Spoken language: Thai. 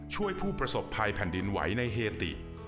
ผู้ประสบภัยแผ่นดินไหวในเฮติ